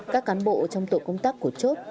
các cán bộ trong tổ công tác của chốt